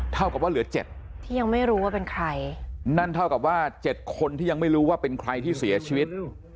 เท่ากับว่าเหลือเจ็ดที่ยังไม่รู้ว่าเป็นใครนั่นเท่ากับว่า๗คนที่ยังไม่รู้ว่าเป็นใครที่เสียชีวิต